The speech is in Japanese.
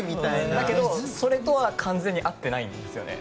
だけど、それとは完全に合ってないんですよね。